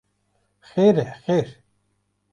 Xêr e, xêr.